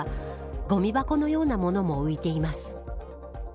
ごみ箱のようなものも浮いています。